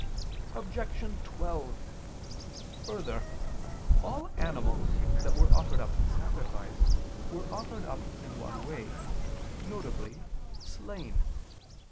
Objection 12: Further, all animals that were offered up in sacrifice, were offered up in one way, viz. slain.